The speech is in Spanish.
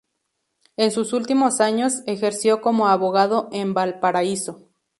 En sus últimos años, ejerció como abogado en Valparaíso.